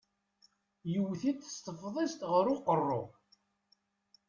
Yewwet-it s tefḍist ɣer uqeṛṛuy.